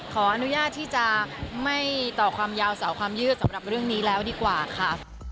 ขออนุญาตที่จะไม่ต่อความยาวเสาความยืดสำหรับเรื่องนี้แล้วดีกว่าค่ะ